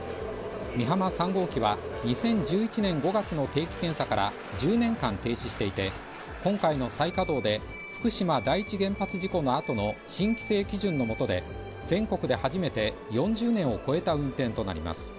美浜３号機は、２０１１年５月の定期検査から１０年間停止していて、今回の再稼働で福島第一原発事故のあとの新規制基準の下で、全国で初めて４０年を超えた運転となります。